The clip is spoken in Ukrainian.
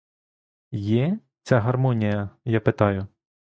Є ця гармонія, я питаю?